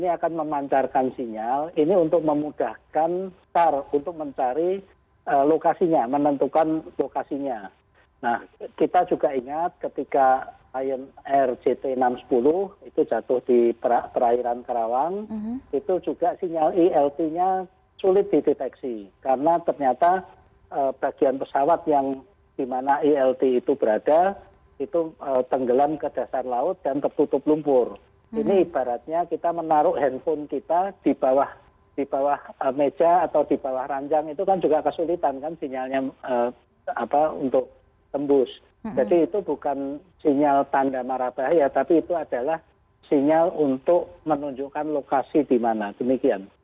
itu tenggelam ke dasar laut dan tertutup lumpur ini ibaratnya kita menaruh handphone kita di bawah meja atau di bawah ranjang itu kan juga kesulitan kan sinyalnya untuk tembus jadi itu bukan sinyal tanda marabah ya tapi itu adalah sinyal untuk menunjukkan lokasi di mana demikian